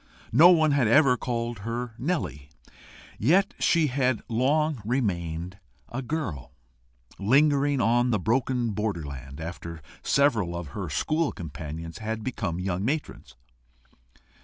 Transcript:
No one had ever called her NELLY; yet she had long remained a girl, lingering on the broken borderland after several of her school companions had become young matrons.